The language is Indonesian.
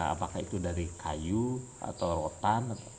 apakah itu dari kayu atau rotan